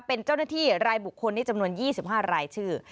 เป็นเจ้าหน้าที่รายบุคคลในจำนวน๒๕รายชื่อ